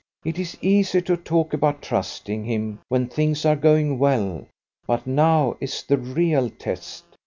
It is easy to talk about trusting Him when things are going well, but now is the real test.